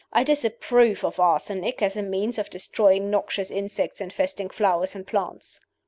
I disapprove of arsenic as a means of destroying noxious insects infesting flowers and plants."